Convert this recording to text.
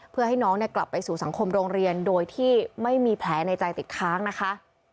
เพื่อให้น้องกลับไปสู่สังคมโรงเรียนโดยที่ไม่มีแผลในใจติดค้างนะคะ